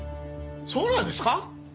そうなんですか？